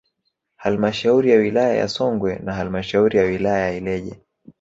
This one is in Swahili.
Halmashauri ya wilaya ya Songwe na halmashauri ya wilaya ya Ileje